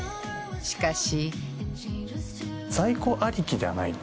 しかし。